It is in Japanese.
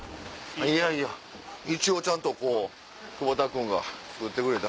いやいや一応ちゃんとこう久保田君が作ってくれた。